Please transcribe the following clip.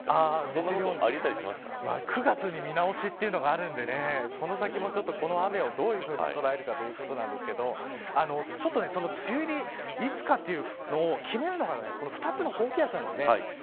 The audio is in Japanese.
そんなこと９月に見直しというのがあるのでこの先も、この雨をどう捉えるかということなんですけどちょっと梅雨入りいつかというのを決めるのが２つの高気圧なんです。